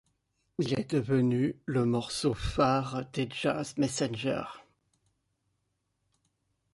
Il est devenu le morceau phare des Jazz Messengers.